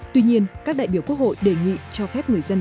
tuy nhiên các đại biểu quốc hội đề nghị cho phép người dân